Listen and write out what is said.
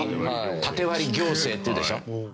タテ割り行政って言うでしょ？